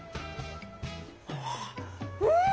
うん！